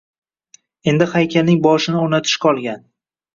Endi haykalning boshini o‘rnatish qolgan.